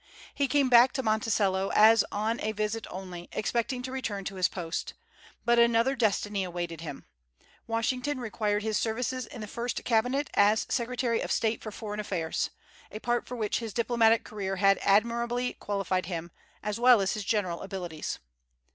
He came back to Monticello as on a visit only, expecting to return to his post. But another destiny awaited him. Washington required his services in the first Cabinet as Secretary of State for foreign affairs, a part for which his diplomatic career had admirably qualified him, as well as his general abilities.